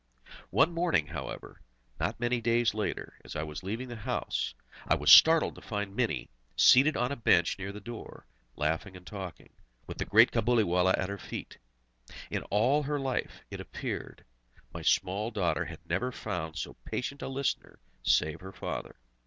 One morning, however, not many days later, as I was leaving the house, I was startled to find Mini, seated on a bench near the door, laughing and talking, with the great Cabuliwallah at her feet. In all her life, it appeared; my small daughter had never found so patient a listener, save her father.